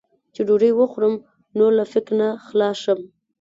چې ډوډۍ وخورم، نور له فکر نه خلاص شم.